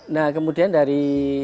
nah kemudian dari